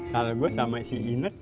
kalo gue sama si ineke